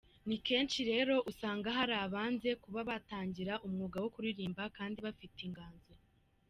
Ni kenshi rero uzasanga hari abanze kuba batangira umwuga wo kuririmba kandi bafite inganzo.